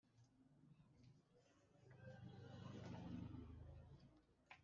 yatumye marayika wayo kwereka imbata zayo ibikwiriye kubaho vuba.